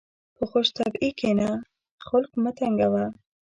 په خوشطبعي کښېنه، خلق مه تنګوه.